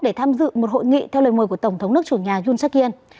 để tham dự một hội nghị theo lời mời của tổng thống nước chủ nhà yoon jak in